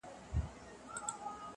چي هم له ګل او هم له خاره سره لوبي کوي؛